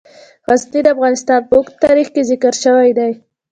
غزني د افغانستان په اوږده تاریخ کې ذکر شوی دی.